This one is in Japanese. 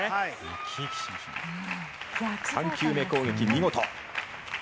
３球目攻撃、見事。